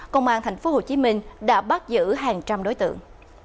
công an tp hcm đã bắt giữ hàng trăm đối tượng